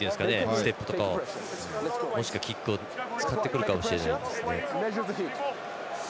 ステップとか、もしくはキックを使ってくるかもしれないですね。